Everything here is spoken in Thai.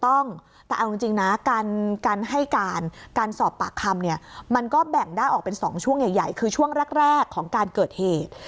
ออกเป็น๒ช่วงใหญ่คือช่วงแรกของการเกิดเหตุ